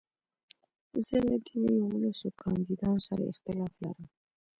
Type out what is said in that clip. زه له دې يوولسو کانديدانو سره اختلاف لرم.